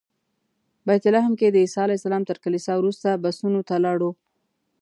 بیت لحم کې د عیسی علیه السلام تر کلیسا وروسته بسونو ته لاړو.